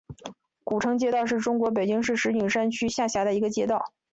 古城街道是中国北京市石景山区下辖的一个街道。